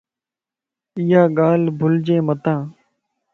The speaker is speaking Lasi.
ايا ڳالھ بلجي متان